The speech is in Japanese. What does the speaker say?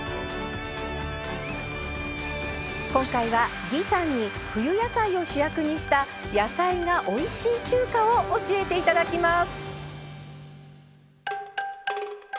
今回は魏さんに冬野菜を主役にした野菜がおいしい中華を教えていただきます。